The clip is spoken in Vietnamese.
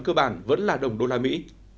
cơ bản vẫn là đồng đô la mỹ